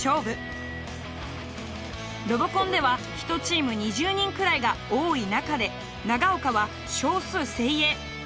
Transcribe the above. ロボコンでは１チーム２０人くらいが多い中で長岡は少数精鋭。